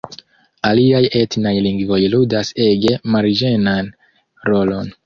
Aliaj etnaj lingvoj ludas ege marĝenan rolon.